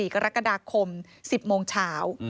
๔กรกฎาคม๑๐โมงเช้า